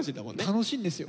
楽しいんですよ。